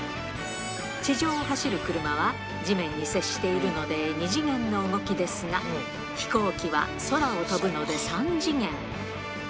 地上を走る車は、地面に接しているので２次元の動きですが、飛行機は空を飛ぶので３次元。